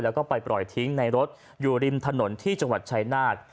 แล้วก็ไปปล่อยทิ้งในรถอยู่ริมถนนที่จังหวัดชายนาฏ